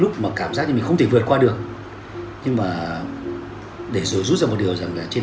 lúc mà cảm giác như mình không thể vượt qua được nhưng mà để rút ra một điều rằng là trên